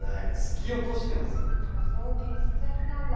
もう送検しちゃったんだから。